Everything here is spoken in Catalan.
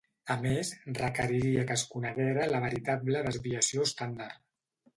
A més, requeriria que es coneguera la veritable desviació estàndard.